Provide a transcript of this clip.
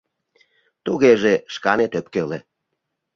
Тугеже шканет ӧпкеле!